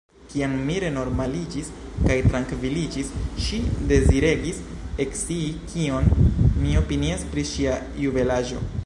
Kiam mi renormaliĝis kaj trankviliĝis, ŝi deziregis ekscii kion mi opinias pri ŝia juvelaĵo.